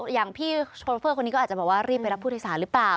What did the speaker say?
อย่างพี่โชเฟอร์คนนี้ก็อาจจะบอกว่ารีบไปรับผู้โดยสารหรือเปล่า